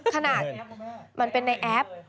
ขนาดมันเป็นในแอป